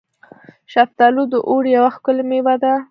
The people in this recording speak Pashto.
شفتالو د اوړي یوه ښکلې میوه ده.